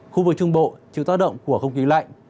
khu vực trung bộ chịu tác động của không khí lạnh